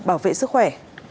bảo vệ sức khỏe